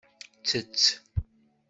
Ttett.